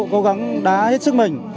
cố gắng đá hết sức mình